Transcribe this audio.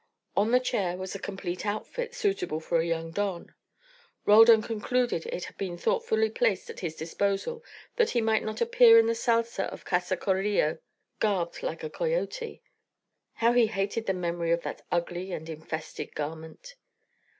On the chair was a complete outfit, suitable for a young don. Roldan concluded it had been thoughtfully placed at his disposal that he might not appear in the sala of Casa Carillo garbed like a coyote. How he hated the memory of that ugly and infested garment.